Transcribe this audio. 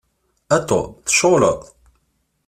A Tom, tceɣleḍ?